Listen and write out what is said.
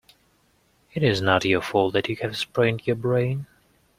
It is not your fault that you have sprained your brain.